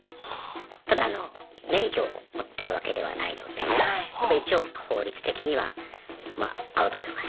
ただあの免許を持ってるわけではないので一応法律的にはまあアウトというか。